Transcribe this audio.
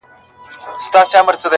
او یا بالکل د دغو الهامونو څخه وبهېدل